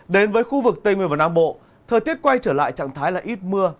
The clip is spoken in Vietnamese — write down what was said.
đến với khu vực tây nguyên và nam bộ thờ tuyết quay trở lại trạng thái là ít mưa